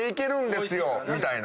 みたいな。